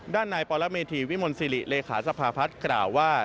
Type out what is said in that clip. ด้านนายปรเมธีวิมลสิริเลขาสภาพัฒน์กล่าวว่า